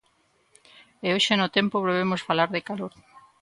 E hoxe no tempo volvemos falar de calor.